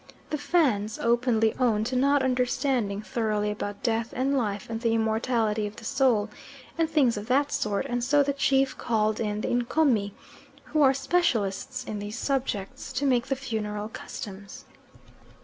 The Fans openly own to not understanding thoroughly about death and life and the immortality of the soul, and things of that sort, and so the chief called in the Ncomi, who are specialists in these subjects, to make the funeral customs.